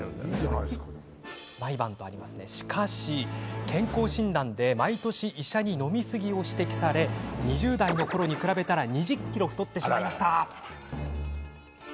しかし、健康診断で毎年医者に飲みすぎを指摘され２０代のころに比べたら２０ｋｇ太ってしまいました。